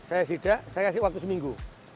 saya sidak saya kasih waktu seminggu